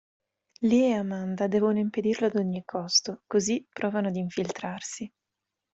Lee e Amanda devono impedirlo ad ogni costo, così provano ad infiltrarsi.